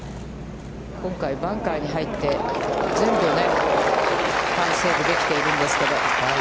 今回バンカーに入って、全部、パーセーブできているんですけど。